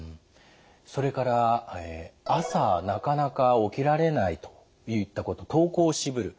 それから朝なかなか起きられないといったこと登校をしぶる。